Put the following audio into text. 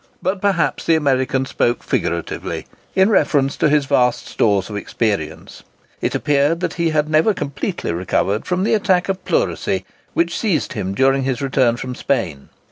But perhaps the American spoke figuratively, in reference to his vast stores of experience. It appeared that he had never completely recovered from the attack of pleurisy which seized him during his return from Spain.